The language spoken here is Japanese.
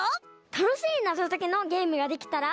たのしいなぞときのゲームができたら。